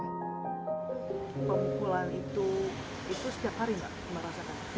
pemukulan itu itu setiap hari nggak